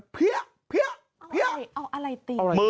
พี้๊ะพี้๊ะพี้๊ะเอาอะไรเอาอะไรตีมือ